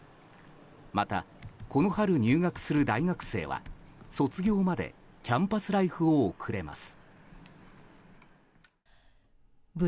また、この春入学する大学生は卒業までキャンパスライフを送れます。